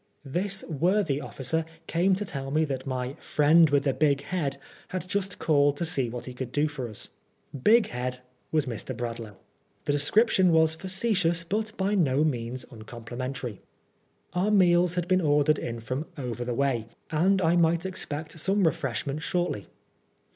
This worthy officer came to tell me that my " friend with the big head" had just called to see what he could do for us. "Big head" was Mr. Bradlaugh. The description was facetious but by no means un complimentary. Our meals had been ordered in from " over the way," and I might expect some refreshment shortly.